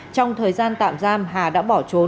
trong thời gian tạm giam hà đã bỏ trốn